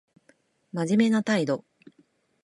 真面目な態度